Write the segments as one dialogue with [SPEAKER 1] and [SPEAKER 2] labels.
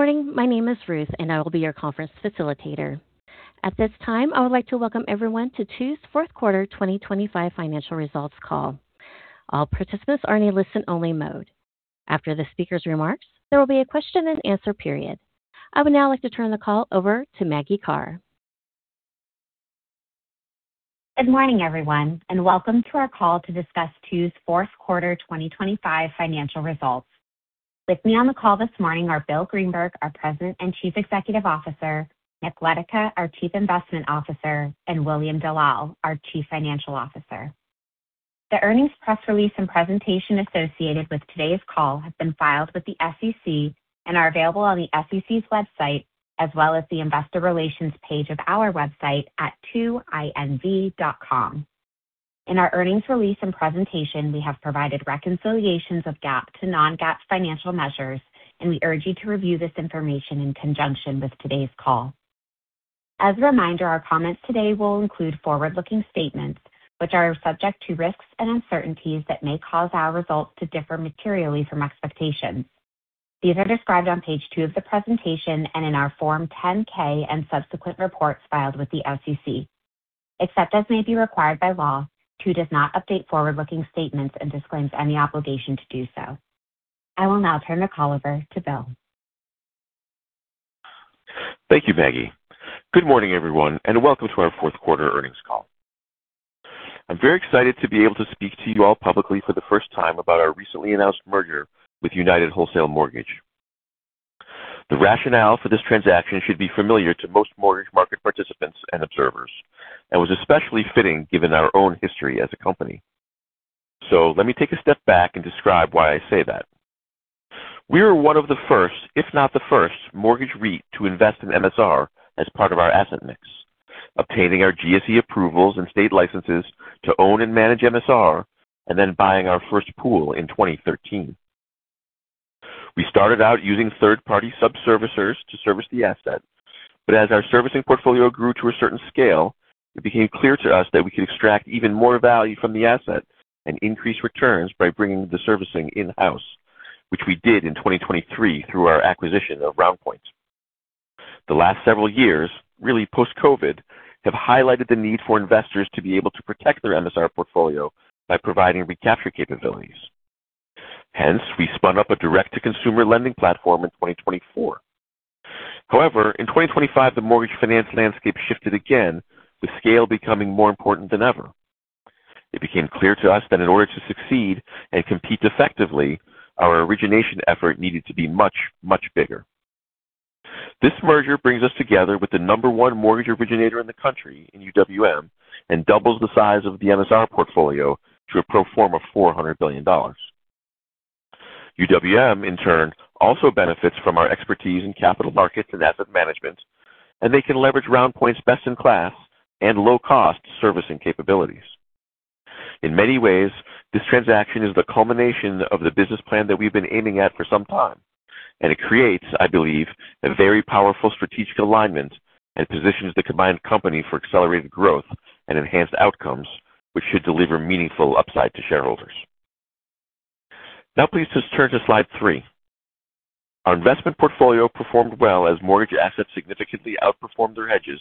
[SPEAKER 1] Good morning. My name is Ruth, and I will be your conference facilitator. At this time, I would like to welcome everyone to Two's fourth quarter 2025 financial results call. All participants are in a listen-only mode. After the speaker's remarks, there will be a question-and-answer period. I would now like to turn the call over to Maggie Karr.
[SPEAKER 2] Good morning, everyone, and welcome to our call to discuss Two's fourth quarter 2025 financial results. With me on the call this morning are Bill Greenberg, our President and Chief Executive Officer. Nick Letica, our Chief Investment Officer. And William Dellal, our Chief Financial Officer. The earnings press release and presentation associated with today's call have been filed with the SEC and are available on the SEC's website as well as the Investor Relations page of our website at 2inv.com. In our earnings release and presentation, we have provided reconciliations of GAAP to non-GAAP financial measures, and we urge you to review this information in conjunction with today's call. As a reminder, our comments today will include forward-looking statements, which are subject to risks and uncertainties that may cause our results to differ materially from expectations. These are described on page 2 of the presentation and in our Form 10-K and subsequent reports filed with the SEC. Except as may be required by law, Two Harbors does not update forward-looking statements and disclaims any obligation to do so. I will now turn the call over to Bill.
[SPEAKER 3] Thank you, Maggie. Good morning, everyone, and welcome to our fourth quarter earnings call. I'm very excited to be able to speak to you all publicly for the first time about our recently announced merger with United Wholesale Mortgage. The rationale for this transaction should be familiar to most mortgage market participants and observers, and was especially fitting given our own history as a company. So let me take a step back and describe why I say that. We were one of the first, if not the first, mortgage REIT to invest in MSR as part of our asset mix, obtaining our GSE approvals and state licenses to own and manage MSR, and then buying our first pool in 2013. We started out using third-party subservicers to service the asset, but as our servicing portfolio grew to a certain scale, it became clear to us that we could extract even more value from the asset and increase returns by bringing the servicing in-house, which we did in 2023 through our acquisition of RoundPoint. The last several years, really post-COVID, have highlighted the need for investors to be able to protect their MSR portfolio by providing recapture capabilities. Hence, we spun up a direct-to-consumer lending platform in 2024. However, in 2025, the mortgage finance landscape shifted again, with scale becoming more important than ever. It became clear to us that in order to succeed and compete effectively, our origination effort needed to be much, much bigger. This merger brings us together with the number one mortgage originator in the country, UWM, and doubles the size of the MSR portfolio to a pro forma $400 billion. UWM, in turn, also benefits from our expertise in capital markets and asset management, and they can leverage RoundPoint's best-in-class and low-cost servicing capabilities. In many ways, this transaction is the culmination of the business plan that we've been aiming at for some time, and it creates, I believe, a very powerful strategic alignment and positions the combined company for accelerated growth and enhanced outcomes, which should deliver meaningful upside to shareholders. Now, please turn to slide 3. Our investment portfolio performed well as mortgage assets significantly outperformed their hedges,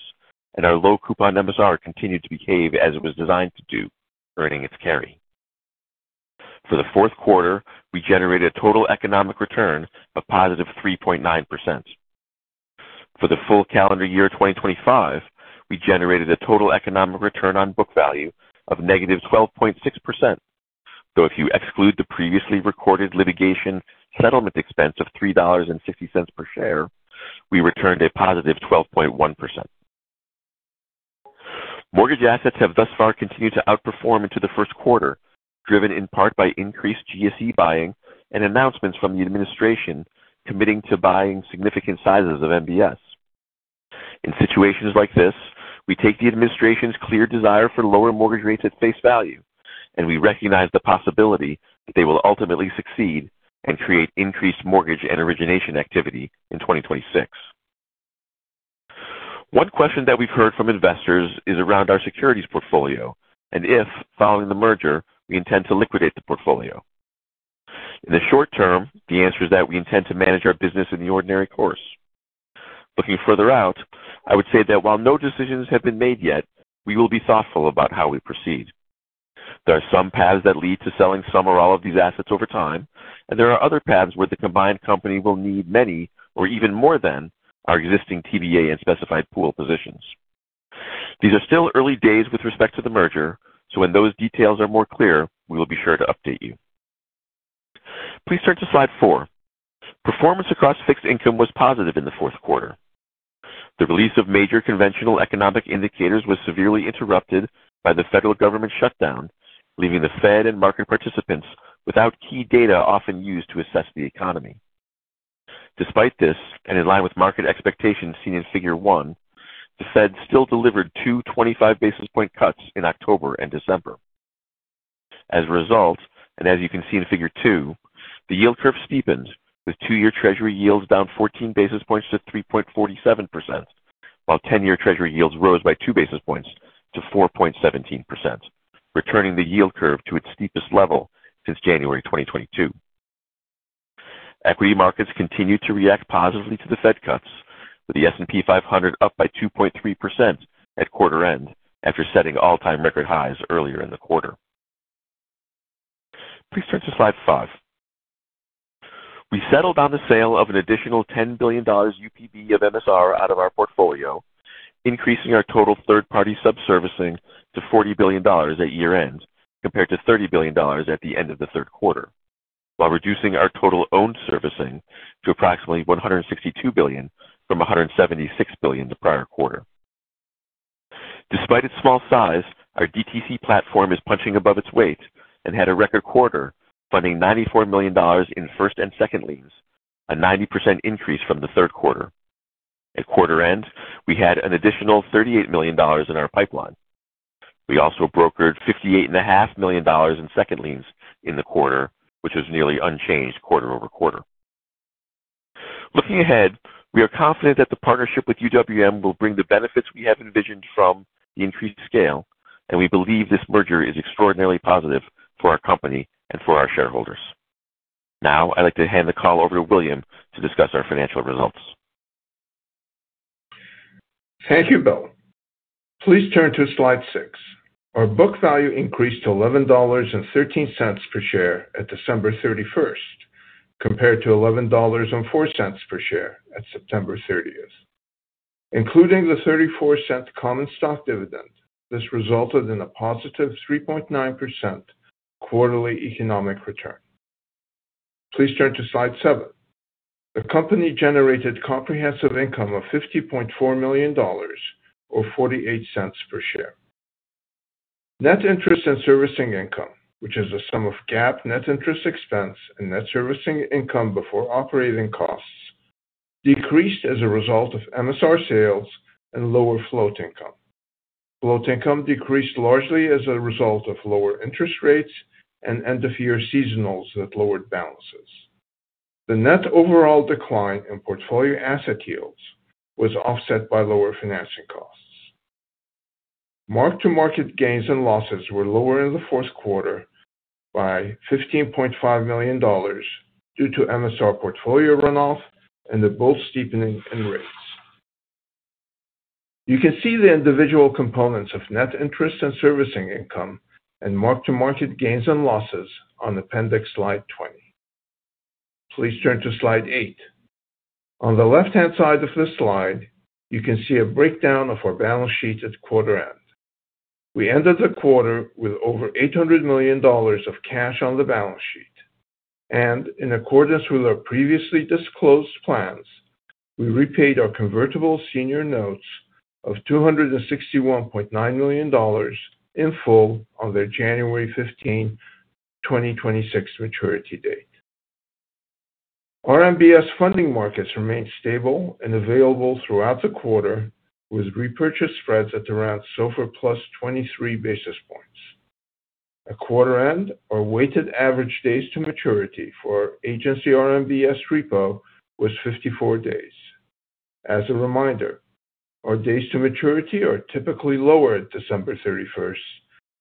[SPEAKER 3] and our low-coupon MSR continued to behave as it was designed to do, earning its carry. For the fourth quarter, we generated a total economic return of +3.9%. For the full calendar year 2025, we generated a total economic return on book value of -12.6%, though if you exclude the previously recorded litigation settlement expense of $3.60 per share, we returned a +12.1%. Mortgage assets have thus far continued to outperform into the first quarter, driven in part by increased GSE buying and announcements from the administration committing to buying significant sizes of MBS. In situations like this, we take the administration's clear desire for lower mortgage rates at face value, and we recognize the possibility that they will ultimately succeed and create increased mortgage and origination activity in 2026. One question that we've heard from investors is around our securities portfolio and if, following the merger, we intend to liquidate the portfolio. In the short term, the answer is that we intend to manage our business in the ordinary course. Looking further out, I would say that while no decisions have been made yet, we will be thoughtful about how we proceed. There are some paths that lead to selling some or all of these assets over time, and there are other paths where the combined company will need many or even more than our existing TBA and specified pool positions. These are still early days with respect to the merger, so when those details are more clear, we will be sure to update you. Please turn to slide 4. Performance across fixed income was positive in the fourth quarter. The release of major conventional economic indicators was severely interrupted by the federal government shutdown, leaving the Fed and market participants without key data often used to assess the economy. Despite this, and in line with market expectations seen in figure 1, the Fed still delivered 2 25 basis point cuts in October and December. As a result, and as you can see in figure 2, the yield curve steepened, with two-year Treasury yields down 14 basis points to 3.47%, while 10-year Treasury yields rose by 2 basis points to 4.17%, returning the yield curve to its steepest level since January 2022. Equity markets continued to react positively to the Fed cuts, with the S&P 500 up by 2.3% at quarter end after setting all-time record highs earlier in the quarter. Please turn to slide 5. We settled on the sale of an additional $10 billion UPB of MSR out of our portfolio, increasing our total third-party subservicing to $40 billion at year end compared to $30 billion at the end of the third quarter, while reducing our total owned servicing to approximately $162 billion from $176 billion the prior quarter. Despite its small size, our DTC platform is punching above its weight and had a record quarter funding $94 million in first and second liens, a 90% increase from the third quarter. At quarter end, we had an additional $38 million in our pipeline. We also brokered $58.5 million in second liens in the quarter, which was nearly unchanged quarter-over-quarter. Looking ahead, we are confident that the partnership with UWM will bring the benefits we have envisioned from the increased scale, and we believe this merger is extraordinarily positive for our company and for our shareholders. Now, I'd like to hand the call over to William to discuss our financial results.
[SPEAKER 4] Thank you, Bill. Please turn to slide 6. Our book value increased to $11.13 per share at December 31st compared to $11.04 per share at September 30th. Including the $0.34 common stock dividend, this resulted in a +3.9% quarterly economic return. Please turn to slide 7. The company generated comprehensive income of $50.4 million or $0.48 per share. Net interest and servicing income, which is the sum of GAAP net interest expense and net servicing income before operating costs, decreased as a result of MSR sales and lower float income. Float income decreased largely as a result of lower interest rates and end-of-year seasonals that lowered balances. The net overall decline in portfolio asset yields was offset by lower financing costs. Mark-to-market gains and losses were lower in the fourth quarter by $15.5 million due to MSR portfolio runoff and the bull steepening in rates. You can see the individual components of net interest and servicing income and mark-to-market gains and losses on appendix slide 20. Please turn to slide 8. On the left-hand side of this slide, you can see a breakdown of our balance sheet at quarter end. We ended the quarter with over $800 million of cash on the balance sheet, and in accordance with our previously disclosed plans, we repaid our convertible senior notes of $261.9 million in full on their January 15, 2026, maturity date. RMBS funding markets remained stable and available throughout the quarter, with repurchase spreads at around SOFR +23 basis points. At quarter end, our weighted average days to maturity for our Agency RMBS repo was 54 days. As a reminder, our days to maturity are typically lower at December 31st,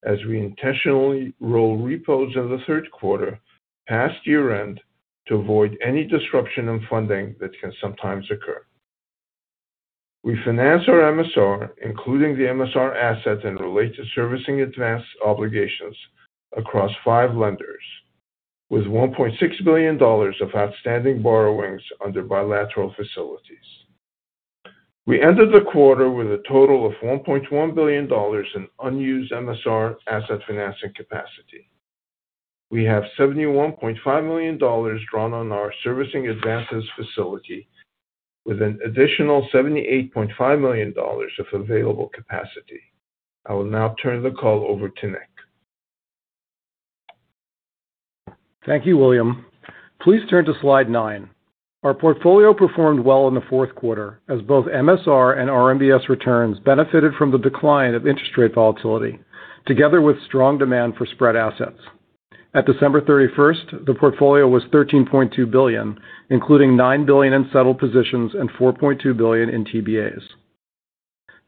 [SPEAKER 4] as we intentionally roll repos in the third quarter past year end to avoid any disruption in funding that can sometimes occur. We finance our MSR, including the MSR asset and related servicing advance obligations, across five lenders, with $1.6 billion of outstanding borrowings under bilateral facilities. We ended the quarter with a total of $1.1 billion in unused MSR asset financing capacity. We have $71.5 million drawn on our servicing advances facility, with an additional $78.5 million of available capacity. I will now turn the call over to Nick.
[SPEAKER 5] Thank you, William. Please turn to slide 9. Our portfolio performed well in the fourth quarter, as both MSR and RMBS returns benefited from the decline of interest rate volatility, together with strong demand for spread assets. At December 31st, the portfolio was $13.2 billion, including $9 billion in settled positions and $4.2 billion in TBAs.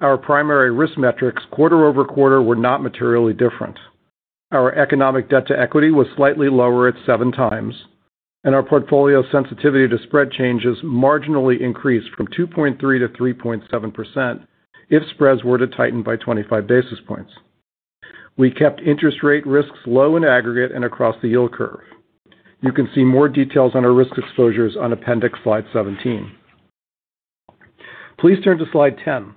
[SPEAKER 5] Our primary risk metrics quarter-over-quarter were not materially different. Our economic debt to equity was slightly lower at 7 times, and our portfolio sensitivity to spread changes marginally increased from 2.3%-3.7% if spreads were to tighten by 25 basis points. We kept interest rate risks low in aggregate and across the yield curve. You can see more details on our risk exposures on appendix slide 17. Please turn to slide 10.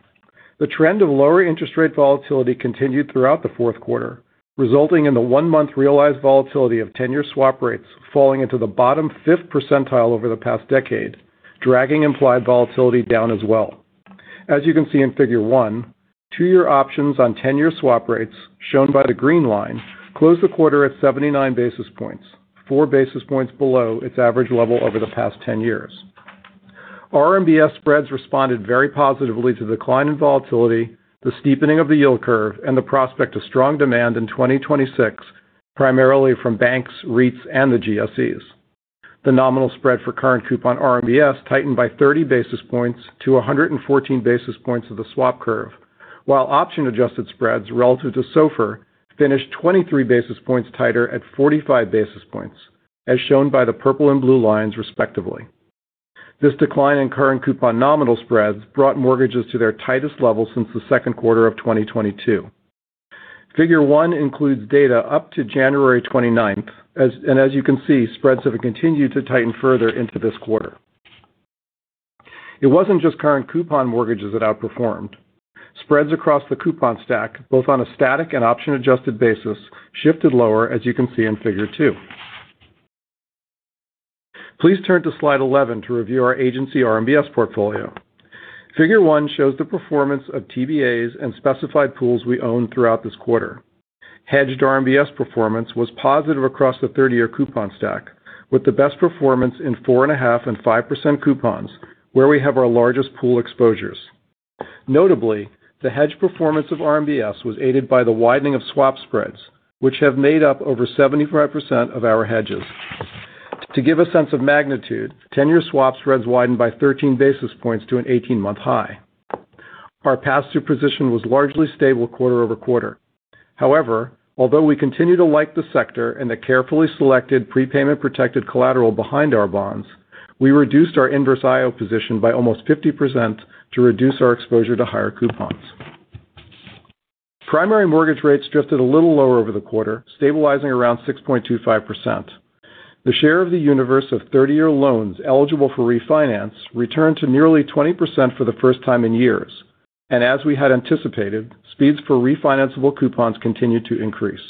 [SPEAKER 5] The trend of lower interest rate volatility continued throughout the fourth quarter, resulting in the 1-month realized volatility of 10-year swap rates falling into the bottom fifth percentile over the past decade, dragging implied volatility down as well. As you can see in Figure 1, 2-year options on 10-year swap rates, shown by the green line, closed the quarter at 79 basis points, 4 basis points below its average level over the past 10 years. RMBS spreads responded very positively to the decline in volatility, the steepening of the yield curve, and the prospect of strong demand in 2026, primarily from banks, REITs, and the GSEs. The nominal spread for current coupon RMBS tightened by 30 basis points to 114 basis points of the swap curve, while option-adjusted spreads relative to SOFR finished 23 basis points tighter at 45 basis points, as shown by the purple and blue lines, respectively. This decline in current coupon nominal spreads brought mortgages to their tightest level since the second quarter of 2022. Figure 1 includes data up to January 29th, and as you can see, spreads have continued to tighten further into this quarter. It wasn't just current coupon mortgages that outperformed. Spreads across the coupon stack, both on a static and option-adjusted basis, shifted lower, as you can see in Figure 2. Please turn to Slide 11 to review our Agency RMBS portfolio. Figure 1 shows the performance of TBAs and specified pools we owned throughout this quarter. Hedged RMBS performance was positive across the 30-year coupon stack, with the best performance in 4.5% and 5% coupons, where we have our largest pool exposures. Notably, the hedged performance of RMBS was aided by the widening of swap spreads, which have made up over 75% of our hedges. To give a sense of magnitude, 10-year swap spreads widened by 13 basis points to an 18-month high. Our pass-through position was largely stable quarter-over-quarter. However, although we continue to like the sector and the carefully selected prepayment-protected collateral behind our bonds, we reduced our Inverse IO position by almost 50% to reduce our exposure to higher coupons. Primary mortgage rates drifted a little lower over the quarter, stabilizing around 6.25%. The share of the universe of 30-year loans eligible for refinance returned to nearly 20% for the first time in years, and as we had anticipated, speeds for refinanceable coupons continued to increase.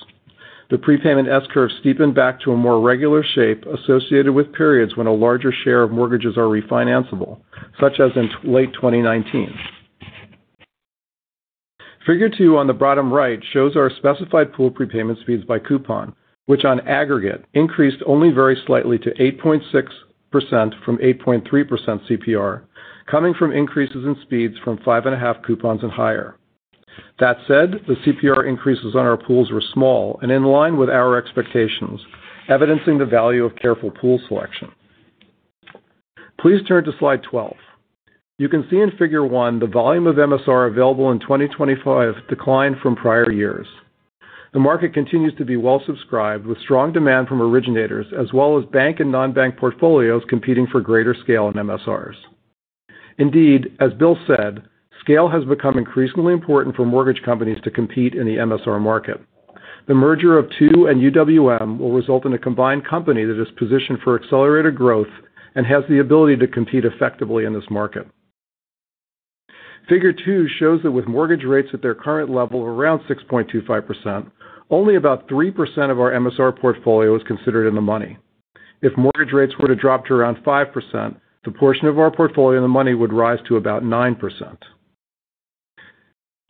[SPEAKER 5] The prepayment S-curve steepened back to a more regular shape associated with periods when a larger share of mortgages are refinanceable, such as in late 2019. Figure 2 on the bottom right shows our Specified Pool prepayment speeds by coupon, which on aggregate increased only very slightly to 8.6% from 8.3% CPR, coming from increases in speeds from 5.5% coupons and higher. That said, the CPR increases on our pools were small and in line with our expectations, evidencing the value of careful pool selection. Please turn to slide 12. You can see in Figure 1 the volume of MSR available in 2025 declined from prior years. The market continues to be well-subscribed, with strong demand from originators as well as bank and non-bank portfolios competing for greater scale in MSRs. Indeed, as Bill said, scale has become increasingly important for mortgage companies to compete in the MSR market. The merger of Two and UWM will result in a combined company that is positioned for accelerated growth and has the ability to compete effectively in this market. Figure 2 shows that with mortgage rates at their current level of around 6.25%, only about 3% of our MSR portfolio is considered in the money. If mortgage rates were to drop to around 5%, the portion of our portfolio in the money would rise to about 9%.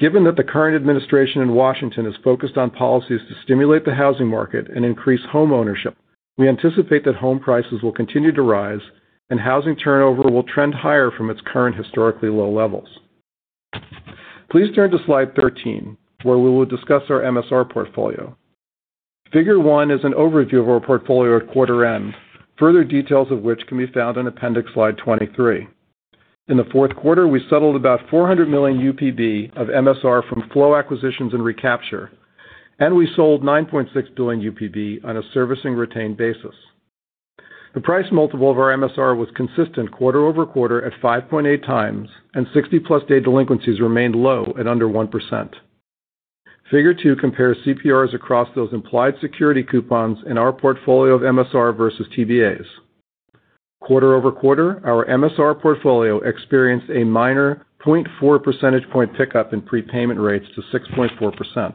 [SPEAKER 5] Given that the current administration in Washington is focused on policies to stimulate the housing market and increase home ownership, we anticipate that home prices will continue to rise and housing turnover will trend higher from its current historically low levels. Please turn to slide 13, where we will discuss our MSR portfolio. Figure 1 is an overview of our portfolio at quarter end, further details of which can be found on appendix slide 23. In the fourth quarter, we settled about $400 million UPB of MSR from flow acquisitions and recapture, and we sold $9.6 billion UPB on a servicing-retained basis. The price multiple of our MSR was consistent quarter-over-quarter at 5.8x, and 60-plus-day delinquencies remained low at under 1%. Figure 2 compares CPRs across those implied security coupons and our portfolio of MSR versus TBAs. Quarter-over-quarter, our MSR portfolio experienced a minor 0.4 percentage point pickup in prepayment rates to 6.4%.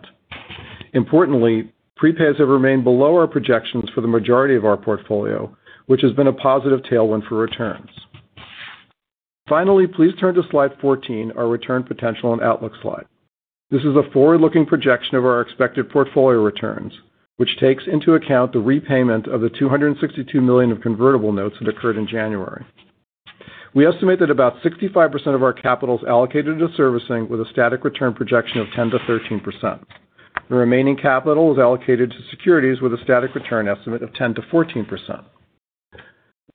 [SPEAKER 5] Importantly, prepays have remained below our projections for the majority of our portfolio, which has been a positive tailwind for returns. Finally, please turn to slide 14, our return potential and outlook slide. This is a forward-looking projection of our expected portfolio returns, which takes into account the repayment of the $262 million of convertible notes that occurred in January. We estimate that about 65% of our capital is allocated to servicing, with a static return projection of 10%-13%. The remaining capital is allocated to securities, with a static return estimate of 10%-14%.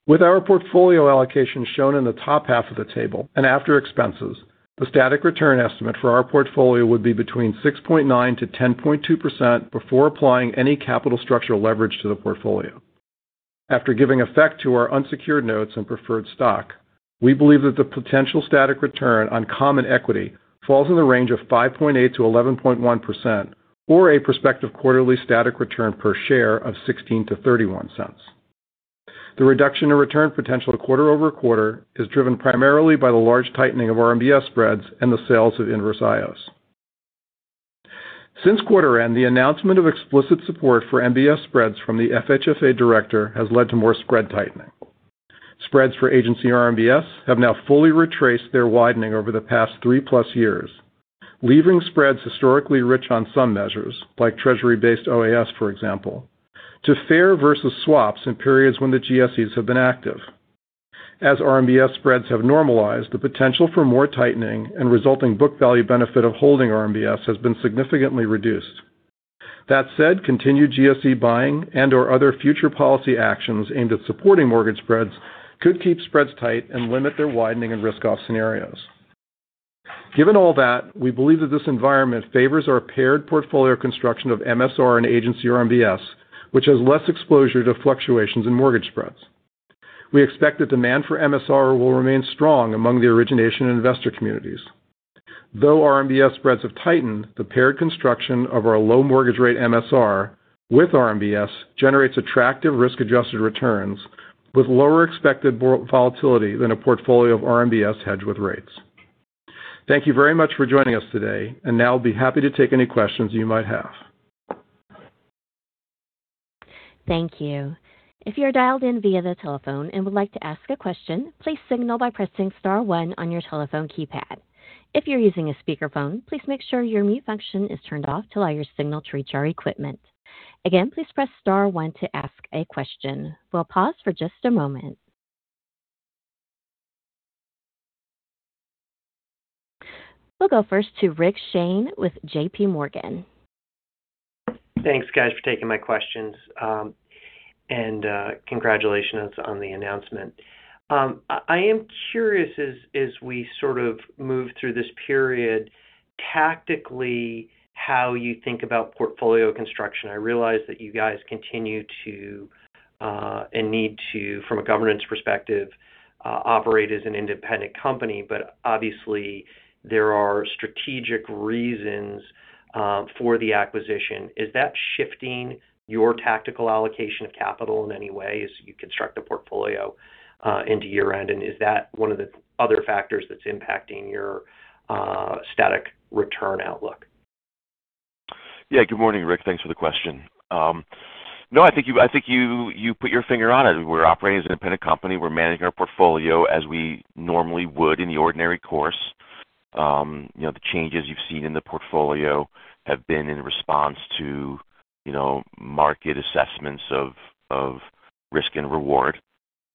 [SPEAKER 5] With our portfolio allocation shown in the top half of the table and after expenses, the static return estimate for our portfolio would be between 6.9%-10.2% before applying any capital structure leverage to the portfolio. After giving effect to our unsecured notes and preferred stock, we believe that the potential static return on common equity falls in the range of 5.8%-11.1% or a prospective quarterly static return per share of $0.16-$0.31. The reduction in return potential quarter-over-quarter is driven primarily by the large tightening of RMBS spreads and the sales of Inverse IOs. Since quarter end, the announcement of explicit support for MBS spreads from the FHFA director has led to more spread tightening. Spreads for Agency RMBS have now fully retraced their widening over the past three-plus years, leaving spreads historically rich on some measures, like Treasury-based OAS, for example, to fair versus swaps in periods when the GSEs have been active. As RMBS spreads have normalized, the potential for more tightening and resulting book value benefit of holding RMBS has been significantly reduced. That said, continued GSE buying and/or other future policy actions aimed at supporting mortgage spreads could keep spreads tight and limit their widening and risk-off scenarios. Given all that, we believe that this environment favors our paired portfolio construction of MSR and Agency RMBS, which has less exposure to fluctuations in mortgage spreads. We expect that demand for MSR will remain strong among the origination and investor communities. Though RMBS spreads have tightened, the paired construction of our low mortgage-rate MSR with RMBS generates attractive risk-adjusted returns with lower expected volatility than a portfolio of RMBS hedged with rates. Thank you very much for joining us today, and now I'll be happy to take any questions you might have.
[SPEAKER 1] Thank you. If you are dialed in via the telephone and would like to ask a question, please signal by pressing star 1 on your telephone keypad. If you're using a speakerphone, please make sure your mute function is turned off to allow your signal to reach our equipment. Again, please press star 1 to ask a question. We'll pause for just a moment. We'll go first to Rick Shane with J.P. Morgan.
[SPEAKER 6] Thanks, guys, for taking my questions. Congratulations on the announcement. I am curious, as we sort of move through this period, tactically how you think about portfolio construction. I realize that you guys continue to and need to, from a governance perspective, operate as an independent company, but obviously, there are strategic reasons for the acquisition. Is that shifting your tactical allocation of capital in any way as you construct a portfolio into year-end? And is that one of the other factors that's impacting your static return outlook?
[SPEAKER 3] Yeah. Good morning, Rick. Thanks for the question. No, I think you put your finger on it. We're operating as an independent company. We're managing our portfolio as we normally would in the ordinary course. The changes you've seen in the portfolio have been in response to market assessments of risk and reward,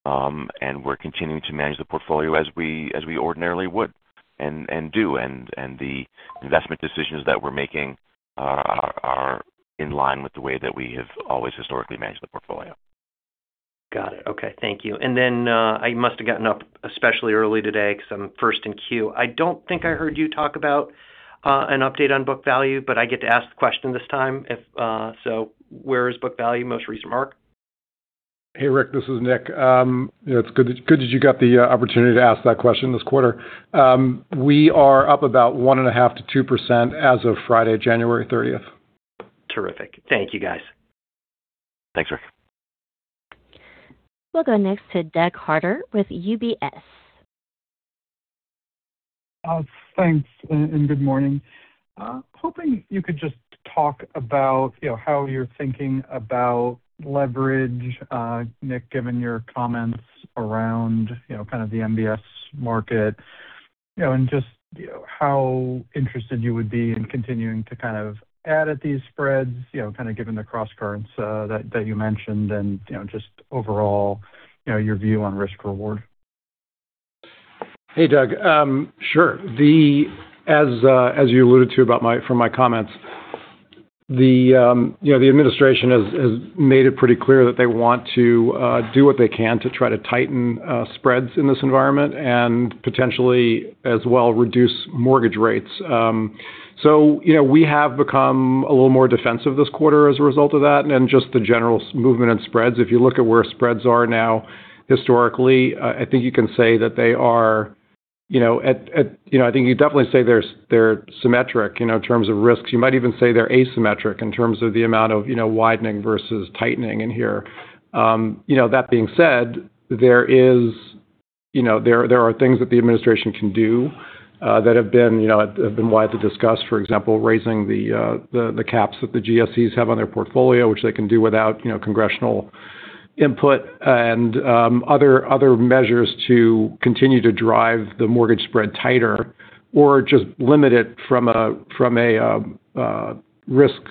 [SPEAKER 3] and we're continuing to manage the portfolio as we ordinarily would and do, and the investment decisions that we're making are in line with the way that we have always historically managed the portfolio.
[SPEAKER 6] Got it. Okay. Thank you. And then I must have gotten up especially early today because I'm first in queue. I don't think I heard you talk about an update on book value, but I get to ask the question this time. So where is book value most recent, Mark?
[SPEAKER 5] Hey, Rick. This is Nick. It's good that you got the opportunity to ask that question this quarter. We are up about 1.5%-2% as of Friday, January 30th.
[SPEAKER 6] Terrific. Thank you, guys.
[SPEAKER 3] Thanks, Rick.
[SPEAKER 1] We'll go next to Doug Harter with UBS.
[SPEAKER 7] Thanks and good morning. Hoping you could just talk about how you're thinking about leverage, Nick, given your comments around kind of the MBS market, and just how interested you would be in continuing to kind of add at these spreads, kind of given the cross-currents that you mentioned, and just overall your view on risk-reward?
[SPEAKER 5] Hey, Doug. Sure. As you alluded to from my comments, the administration has made it pretty clear that they want to do what they can to try to tighten spreads in this environment and potentially, as well, reduce mortgage rates. So we have become a little more defensive this quarter as a result of that. And just the general movement in spreads, if you look at where spreads are now historically, I think you can say that they are, I think you can definitely say they're symmetric in terms of risks. You might even say they're asymmetric in terms of the amount of widening versus tightening in here. That being said, there are things that the administration can do that have been widely discussed, for example, raising the caps that the GSEs have on their portfolio, which they can do without congressional input, and other measures to continue to drive the mortgage spread tighter or just limit it from a risk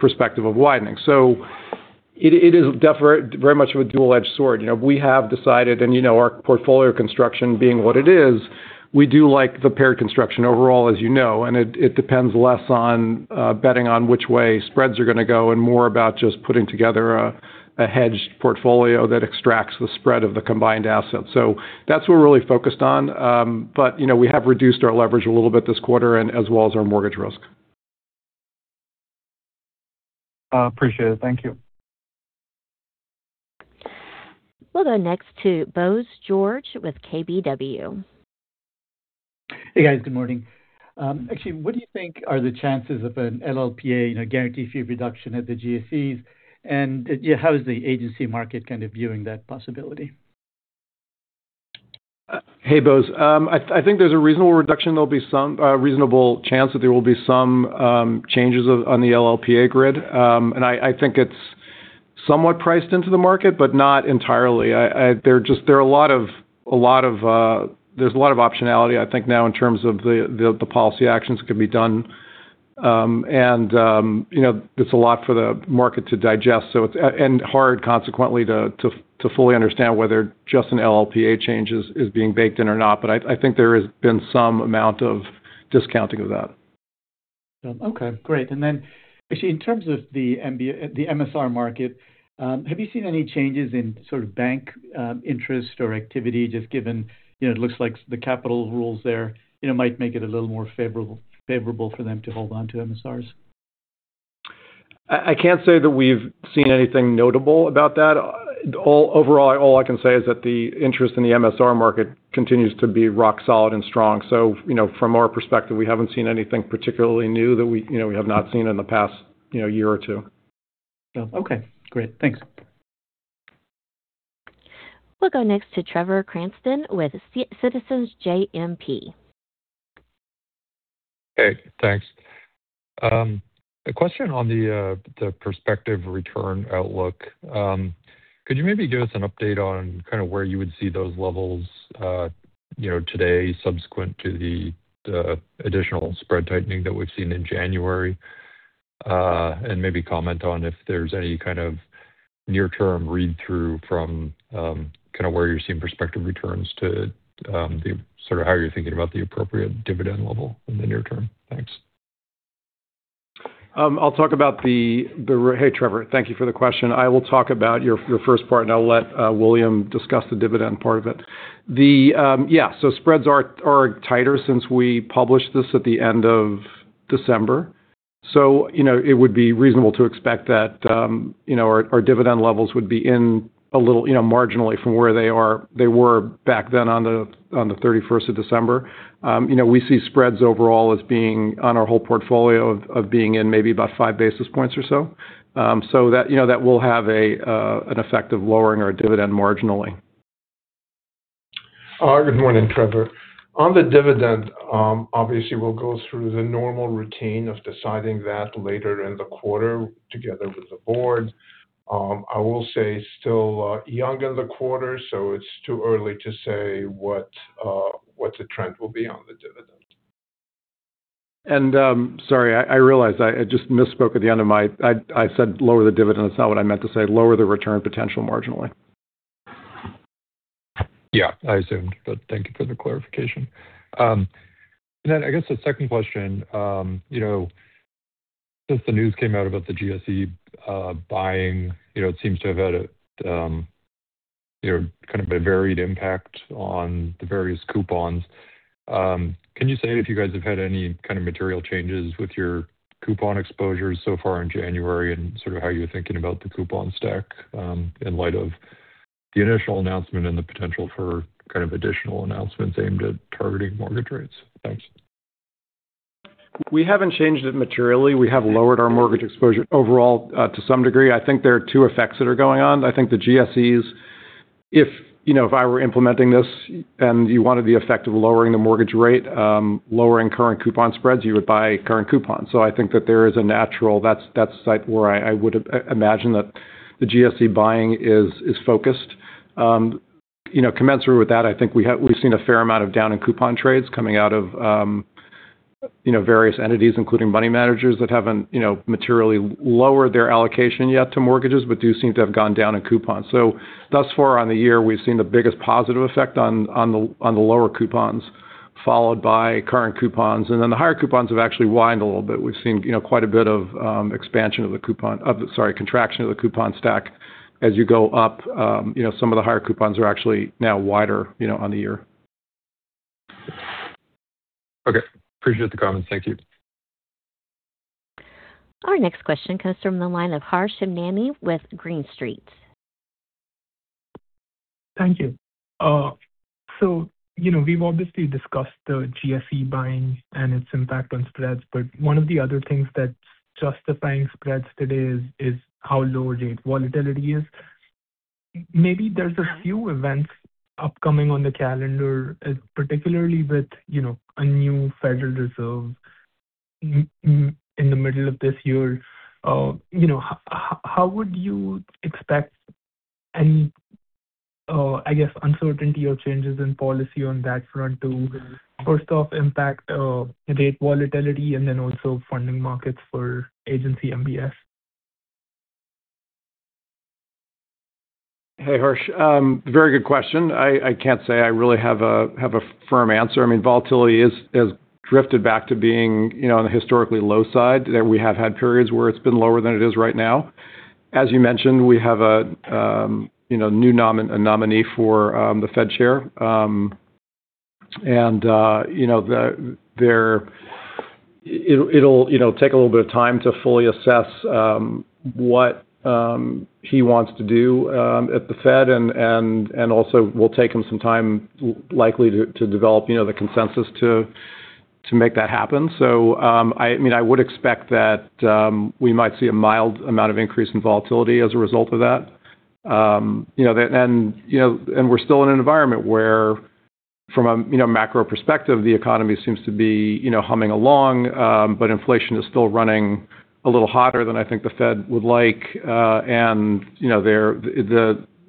[SPEAKER 5] perspective of widening. So it is very much of a double-edged sword. We have decided, and our portfolio construction being what it is, we do like the paired construction overall, as you know, and it depends less on betting on which way spreads are going to go and more about just putting together a hedged portfolio that extracts the spread of the combined assets. So that's what we're really focused on. But we have reduced our leverage a little bit this quarter, as well as our mortgage risk.
[SPEAKER 7] Appreciate it. Thank you.
[SPEAKER 1] We'll go next to Bose George with KBW.
[SPEAKER 8] Hey, guys. Good morning. Actually, what do you think are the chances of an LLPA, guarantee fee reduction at the GSEs? And how is the agency market kind of viewing that possibility?
[SPEAKER 5] Hey, Bose. I think there's a reasonable reduction. There'll be some reasonable chance that there will be some changes on the LLPA grid. And I think it's somewhat priced into the market, but not entirely. There's a lot of optionality, I think, now in terms of the policy actions that can be done. And it's a lot for the market to digest, and hard, consequently, to fully understand whether just an LLPA change is being baked in or not. But I think there has been some amount of discounting of that.
[SPEAKER 8] Okay. Great. And then actually, in terms of the MSR market, have you seen any changes in sort of bank interest or activity, just given it looks like the capital rules there might make it a little more favorable for them to hold onto MSRs?
[SPEAKER 5] I can't say that we've seen anything notable about that. Overall, all I can say is that the interest in the MSR market continues to be rock solid and strong. So from our perspective, we haven't seen anything particularly new that we have not seen in the past year or two.
[SPEAKER 8] Okay. Great. Thanks.
[SPEAKER 1] We'll go next to Trevor Cranston with Citizens JMP.
[SPEAKER 9] Hey. Thanks. A question on the prospective return outlook. Could you maybe give us an update on kind of where you would see those levels today subsequent to the additional spread tightening that we've seen in January? And maybe comment on if there's any kind of near-term read-through from kind of where you're seeing prospective returns to sort of how you're thinking about the appropriate dividend level in the near term. Thanks.
[SPEAKER 5] Hey, Trevor. Thank you for the question. I'll talk about your first part, and I'll let William discuss the dividend part of it. Yeah. So spreads are tighter since we published this at the end of December. So it would be reasonable to expect that our dividend levels would be a little marginally from where they were back then on the 31st of December. We see spreads overall as being, on our whole portfolio, maybe about five basis points or so. So that will have an effect of lowering our dividend marginally.
[SPEAKER 4] Good morning, Trevor. On the dividend, obviously, we'll go through the normal routine of deciding that later in the quarter together with the board. I will say, still young in the quarter, so it's too early to say what the trend will be on the dividend.
[SPEAKER 5] Sorry, I realize I just misspoke at the end of my. I said lower the dividend. That's not what I meant to say. Lower the return potential marginally.
[SPEAKER 9] Yeah, I assumed. But thank you for the clarification. And then I guess the second question, since the news came out about the GSE buying, it seems to have had kind of a varied impact on the various coupons. Can you say if you guys have had any kind of material changes with your coupon exposures so far in January and sort of how you're thinking about the coupon stack in light of the initial announcement and the potential for kind of additional announcements aimed at targeting mortgage rates? Thanks.
[SPEAKER 5] We haven't changed it materially. We have lowered our mortgage exposure overall to some degree. I think there are two effects that are going on. I think the GSEs, if I were implementing this and you wanted the effect of lowering the mortgage rate, lowering current coupon spreads, you would buy current coupons. So I think that there is a natural that's the sight where I would imagine that the GSE buying is focused. Commensurate with that, I think we've seen a fair amount of down in coupon trades coming out of various entities, including money managers, that haven't materially lowered their allocation yet to mortgages but do seem to have gone down in coupons. So thus far on the year, we've seen the biggest positive effect on the lower coupons, followed by current coupons. And then the higher coupons have actually widened a little bit. We've seen quite a bit of expansion of the coupon sorry, contraction of the coupon stack as you go up. Some of the higher coupons are actually now wider on the year.
[SPEAKER 9] Okay. Appreciate the comments. Thank you.
[SPEAKER 1] Our next question comes from the line of Harsh Hemnani with Green Street.
[SPEAKER 10] Thank you. So we've obviously discussed the GSE buying and its impact on spreads. But one of the other things that's justifying spreads today is how low rate volatility is. Maybe there's a few events upcoming on the calendar, particularly with a new Federal Reserve in the middle of this year. How would you expect any, I guess, uncertainty or changes in policy on that front to, first off, impact rate volatility and then also funding markets for Agency MBS?
[SPEAKER 5] Hey, Harsh. Very good question. I can't say I really have a firm answer. I mean, volatility has drifted back to being on the historically low side. We have had periods where it's been lower than it is right now. As you mentioned, we have a new nominee for the Fed chair. And it'll take a little bit of time to fully assess what he wants to do at the Fed. And also, it'll take him some time, likely, to develop the consensus to make that happen. So I mean, I would expect that we might see a mild amount of increase in volatility as a result of that. And we're still in an environment where, from a macro perspective, the economy seems to be humming along, but inflation is still running a little hotter than I think the Fed would like. And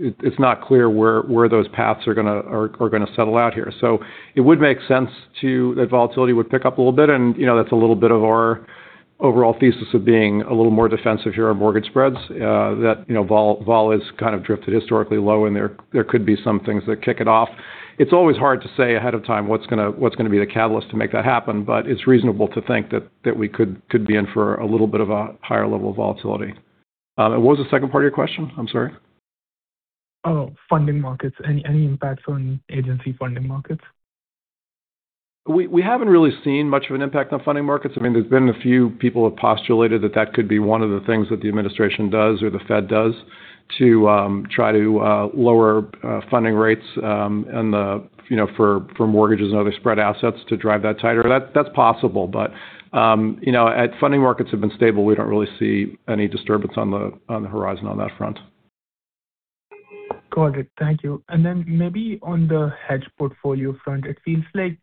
[SPEAKER 5] it's not clear where those paths are going to settle out here. So it would make sense that volatility would pick up a little bit. And that's a little bit of our overall thesis of being a little more defensive here on mortgage spreads, that vol is kind of drifted historically low, and there could be some things that kick it off. It's always hard to say ahead of time what's going to be the catalyst to make that happen, but it's reasonable to think that we could be in for a little bit of a higher level of volatility. What was the second part of your question? I'm sorry.
[SPEAKER 10] Oh, funding markets. Any impacts on Agency funding markets?
[SPEAKER 5] We haven't really seen much of an impact on funding markets. I mean, there's been a few people who have postulated that that could be one of the things that the administration does or the Fed does to try to lower funding rates for mortgages and other spread assets to drive that tighter. That's possible. But funding markets have been stable. We don't really see any disturbance on the horizon on that front.
[SPEAKER 10] Got it. Thank you. And then maybe on the hedge portfolio front, it feels like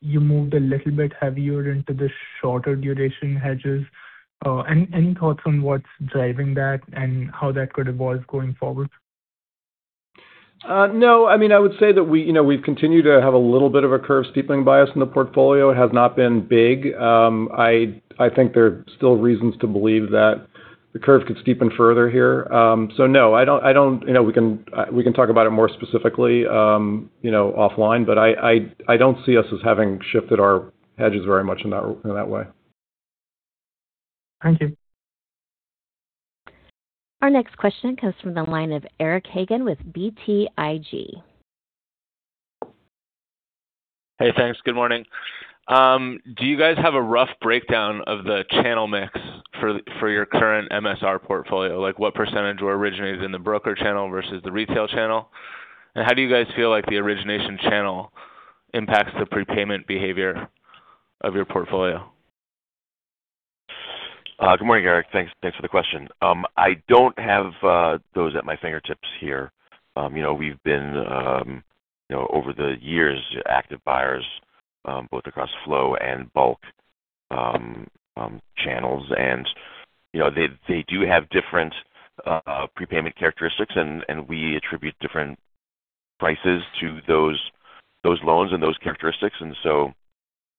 [SPEAKER 10] you moved a little bit heavier into the shorter-duration hedges. Any thoughts on what's driving that and how that could evolve going forward?
[SPEAKER 5] No. I mean, I would say that we've continued to have a little bit of a curve steepening bias in the portfolio. It has not been big. I think there are still reasons to believe that the curve could steepen further here. So no, I don't. We can talk about it more specifically offline. But I don't see us as having shifted our hedges very much in that way.
[SPEAKER 10] Thank you.
[SPEAKER 1] Our next question comes from the line of Eric Hagan with BTIG.
[SPEAKER 11] Hey, thanks. Good morning. Do you guys have a rough breakdown of the channel mix for your current MSR portfolio? What percentage were originated in the broker channel versus the retail channel? And how do you guys feel like the origination channel impacts the prepayment behavior of your portfolio?
[SPEAKER 3] Good morning, Eric. Thanks for the question. I don't have those at my fingertips here. We've been, over the years, active buyers both across flow and bulk channels. They do have different prepayment characteristics, and we attribute different prices to those loans and those characteristics. So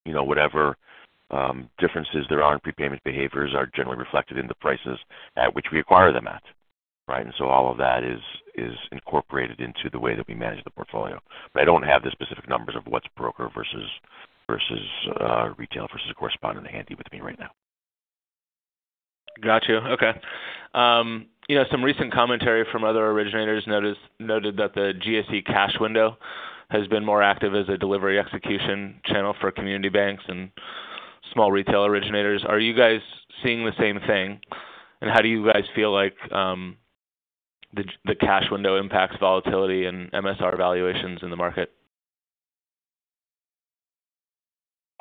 [SPEAKER 3] whatever differences there are in prepayment behaviors are generally reflected in the prices at which we acquire them at, right? All of that is incorporated into the way that we manage the portfolio. I don't have the specific numbers of what's broker versus retail versus correspondent handy with me right now.
[SPEAKER 11] Got you. Okay. Some recent commentary from other originators noted that the GSE cash window has been more active as a delivery execution channel for community banks and small retail originators. Are you guys seeing the same thing? And how do you guys feel like the cash window impacts volatility and MSR valuations in the market?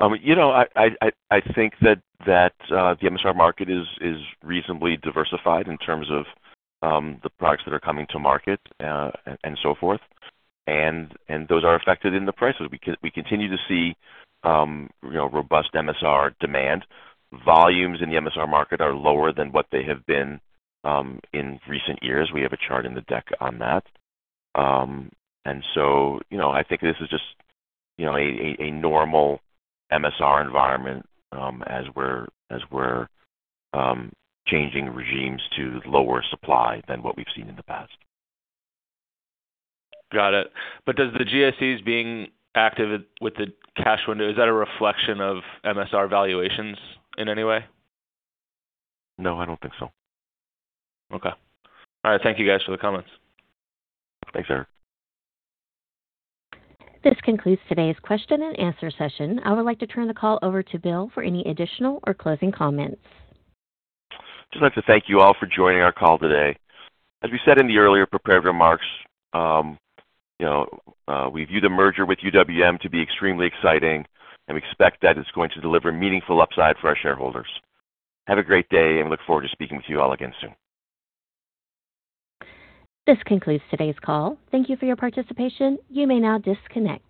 [SPEAKER 3] I think that the MSR market is reasonably diversified in terms of the products that are coming to market and so forth. Those are affected in the prices. We continue to see robust MSR demand. Volumes in the MSR market are lower than what they have been in recent years. We have a chart in the deck on that. And so I think this is just a normal MSR environment as we're changing regimes to lower supply than what we've seen in the past.
[SPEAKER 11] Got it. But does the GSEs being active with the cash window is that a reflection of MSR valuations in any way?
[SPEAKER 3] No, I don't think so.
[SPEAKER 11] Okay. All right. Thank you, guys, for the comments.
[SPEAKER 3] Thanks, Eric.
[SPEAKER 1] This concludes today's question-and-answer session. I would like to turn the call over to Bill for any additional or closing comments.
[SPEAKER 3] Just like to thank you all for joining our call today. As we said in the earlier prepared remarks, we view the merger with UWM to be extremely exciting, and we expect that it's going to deliver meaningful upside for our shareholders. Have a great day, and we look forward to speaking with you all again soon.
[SPEAKER 1] This concludes today's call. Thank you for your participation. You may now disconnect.